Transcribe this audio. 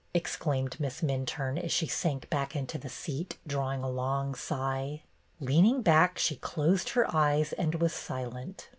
exclaimed Miss Minturne, as she sank into the seat, drawing a long sigh. Leaning back, she closed her eyes and was silent.